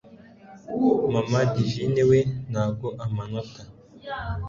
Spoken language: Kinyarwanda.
Mama divine we ntago amanota